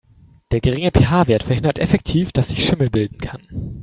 Der geringe PH-Wert verhindert effektiv, dass sich Schimmel bilden kann.